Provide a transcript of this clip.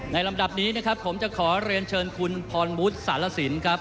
ลำดับนี้นะครับผมจะขอเรียนเชิญคุณพรวุฒิสารสินครับ